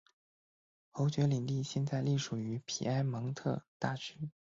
侯爵领地现在隶属于皮埃蒙特大区。